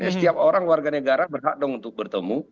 setiap orang warga negara berhak dong untuk bertemu